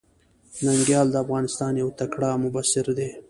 ننګيال د افغانستان يو تکړه مبصر ده.